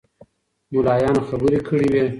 ملایانو خبرې کړې وې.